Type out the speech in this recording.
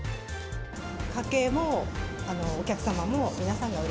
家計もお客様も、皆さんがう